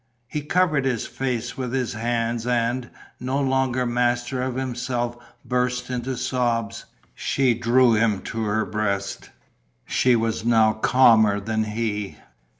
He covered his face with his hands and, no longer master of himself burst into sobs. She drew him to her breast. She was now calmer than he.